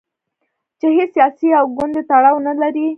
چې هیڅ سیاسي او ګوندي تړاو نه لري.